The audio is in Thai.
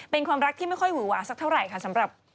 เป็นความรักที่ไม่ค่อยหูหวากสักเท่าไร